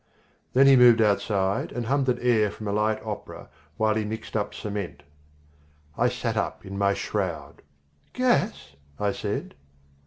Then he moved aside and hummed an air from a light opera while he mixed up cement. I sat up in my shroud. "Gas!" I said.